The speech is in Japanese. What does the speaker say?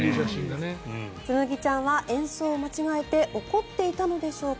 つむぎちゃんは演奏を間違えて怒っていたのでしょうか。